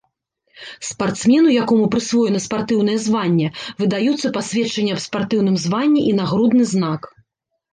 Спартсмену, якому прысвоена спартыўнае званне, выдаюцца пасведчанне аб спартыўным званні і нагрудны знак.